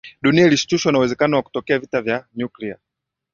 Dunia ilishtushwa na uwezekano wa kutokea vita vya nuklia